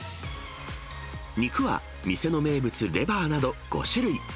肉は店の名物、レバーなど５種類。